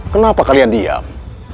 kenapa kalian diam